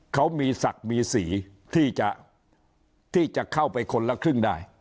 เขามีศักดิ์มีสีที่จะเข้าไปคนละครึ่งได้